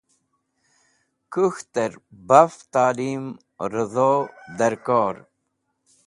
Khũk̃htẽr baf talim rẽdho dẽrkor.